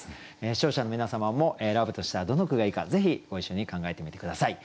視聴者の皆様も選ぶとしたらどの句がいいかぜひご一緒に考えてみて下さい。